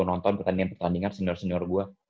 nonton pertandingan pertandingan senior senior gue